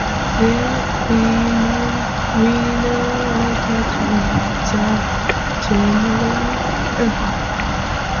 These primary winners later won the general election.